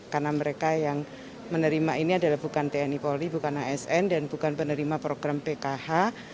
karena mereka yang menerima ini adalah bukan tni polri bukan asn dan bukan penerima program pkh